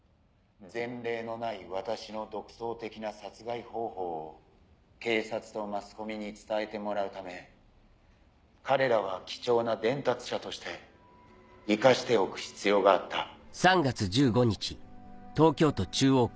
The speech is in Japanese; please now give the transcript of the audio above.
「前例のない私の独創的な殺害方法を警察とマスコミに伝えてもらうため彼らは貴重な伝達者として生かしておく必要があった」。